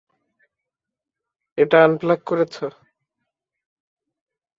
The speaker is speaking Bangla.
এটা আনপ্লাগ করেছ?